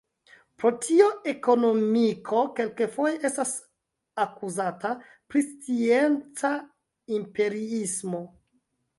Pro tio ekonomiko kelkfoje estas akuzata pri scienca imperiismo.